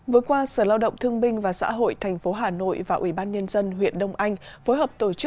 với qua sở lao động thương binh và xã hội tp hà nội và ủy ban nhân dân huyện đông anh